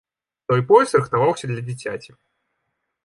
Той пояс рыхтаваўся для дзіцяці.